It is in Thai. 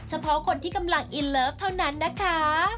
เฉพาะคนที่กำลังอินเลิฟเท่านั้นนะคะ